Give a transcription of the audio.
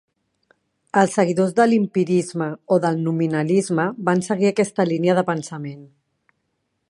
Els seguidors de l'empirisme o del nominalisme van seguir aquesta línia de pensament.